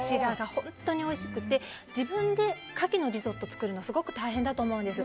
本当においしくて自分で牡蠣のリゾットを作るの本当に大変だと思うんです。